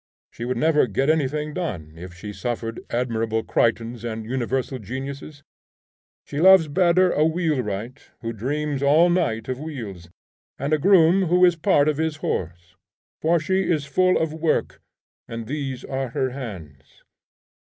She would never get anything done, if she suffered admirable Crichtons and universal geniuses. She loves better a wheelwright who dreams all night of wheels, and a groom who is part of his horse; for she is full of work, and these are her hands.